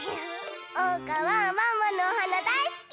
おうかはワンワンのおはなだいすき！